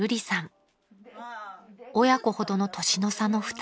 ［親子ほどの年の差の２人］